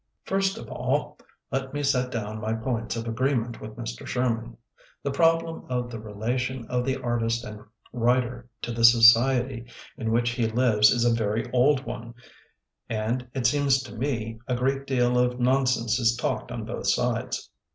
First of all, let me set down my points of agreement with Mr. Sher man. The problem of the relation of the artist and writer to the society in which he lives is a very old one, and, it seems to me, a great deal of non sense is talked on both sides.